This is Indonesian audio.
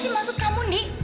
apa sih maksud kamu indi